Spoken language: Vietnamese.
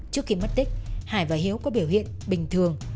trước khi mất tích hải và hiếu có biểu hiện bình thường